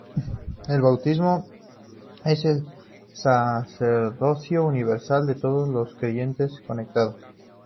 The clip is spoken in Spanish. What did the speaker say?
El Bautismo es el Sacerdocio universal de todos los creyentes conectado.